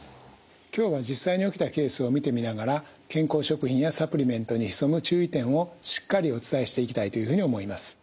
今日は実際に起きたケースを見てみながら健康食品やサプリメントに潜む注意点をしっかりお伝えしていきたいというふうに思います。